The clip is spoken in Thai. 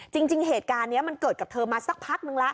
จริงเหตุการณ์นี้มันเกิดกับเธอมาสักพักนึงแล้ว